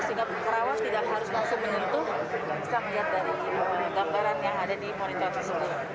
sehingga karawas tidak harus langsung menyentuh bisa melihat dari gambaran yang ada di monitor tersebut